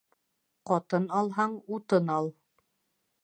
Ҡатын алһаң, утын ал